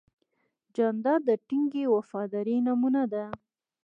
جانداد د ټینګې وفادارۍ نمونه ده.